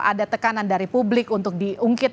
ada tekanan dari publik untuk diungkit